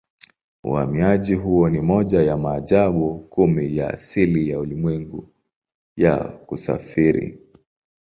Uhamiaji huo ni moja ya maajabu kumi ya asili ya ulimwengu ya kusafiri.